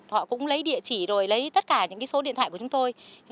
họ cũng lấy địa chỉ rồi lấy tất cả những số điện thoại của chúng tôi